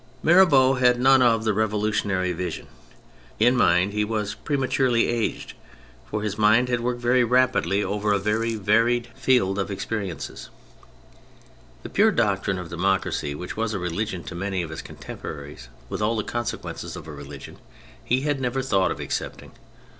Mirabeau had none of the revolutionary Vision. In mind he was prematurely aged, for his mind had worked very rapidly over 58 THE FRENCH REVOLUTION a very varied field of experience. The pure doctrine of democracy which was a rehgion to many of his contemporaries, with all the consequences of a religion, he had never thought of accepting.